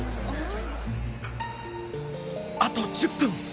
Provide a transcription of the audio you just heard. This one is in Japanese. あと１０分。